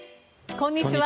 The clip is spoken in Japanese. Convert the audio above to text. こんにちは。